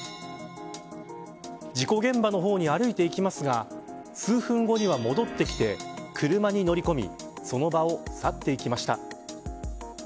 事故現場の方に歩いていきますが数分後には戻ってきて車に乗り込みその場を去っていきました。